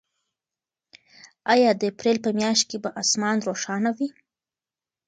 آیا د اپریل په میاشت کې به اسمان روښانه وي؟